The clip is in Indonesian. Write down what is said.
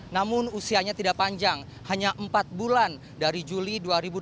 namun usianya tidak panjang hanya empat bulan dari juli dua ribu dua puluh